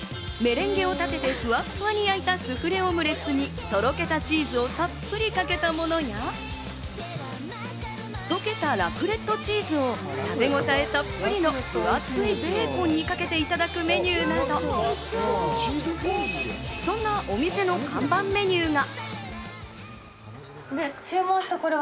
メレンゲを立ててふわふわに焼いたスフレオムレツにとろけたチーズをたっぷりかけたものや、とけたラクレットチーズを食べごたえたっぷりの分厚いベーコンにかけていただくメニューなど、そんなお店の看板メニューが。